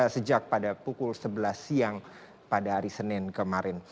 sejak pada pukul sebelas siang pada hari senin kemarin